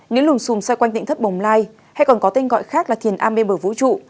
nếu lùm xùm xoay quanh tỉnh thất bồng lai hay còn có tên gọi khác là thiền amê bờ vũ trụ